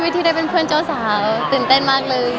อเจมส์ถ้าเราเป็นเพื่อนเจ้าสาวถ้าพี่ณเดชไปเป็นเพื่อนเจ้าเบาโอเคมั้ย